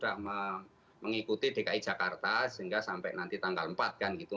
dan ini kan kelihatannya jawa barat sudah mengikuti dki jakarta sehingga sampai nanti tanggal empat kan gitu